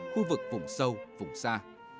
khu vực vùng sâu vùng xa